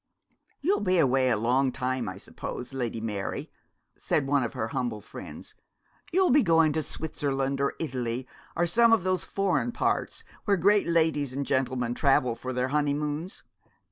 'You'll be away a long time, I suppose, Lady Mary?' said one of her humble friends; 'you'll be going to Switzerland or Italy, or some of those foreign parts where great ladies and gentlemen travel for their honeymoons?'